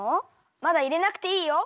まだいれなくていいよ。